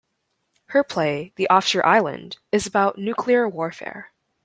Her play, "The Offshore Island", is about nuclear warfare.